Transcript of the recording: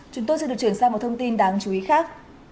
chúng tôi sẽ được truyền sang một thông tin đáng chú ý khác